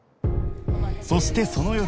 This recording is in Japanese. そしてその夜